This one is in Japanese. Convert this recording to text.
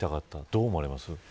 どう思われますか。